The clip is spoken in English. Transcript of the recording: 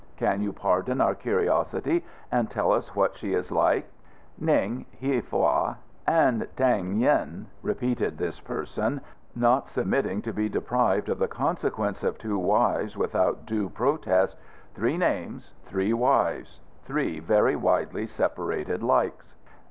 Can you pardon our curiosity and tell us what she is like?" "Ning, Hia Fa AND T'ain Yen," repeated this person, not submitting to be deprived of the consequence of two wives without due protest. "Three names, three wives. Three very widely separated likes."